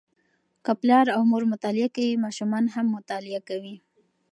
که پلار او مور مطالعه کوي، ماشومان هم مطالعه کوي.